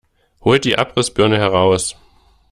Holt die Abrissbirne heraus!